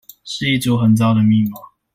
是一組很糟的密碼